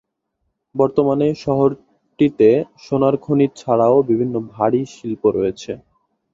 বর্তমানে শহরটিতে সোনার খনি ছাড়াও বিভিন্ন ভারী শিল্প রয়েছে।